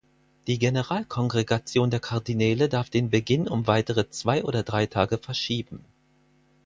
Die Generalkongregation der Kardinäle darf den Beginn um weitere zwei oder drei Tage verschieben.